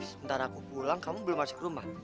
sebentar aku pulang kamu belum masuk ke rumah